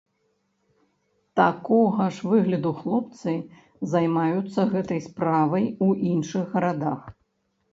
Такога ж выгляду хлопцы займаюцца гэтай справай у іншых гарадах.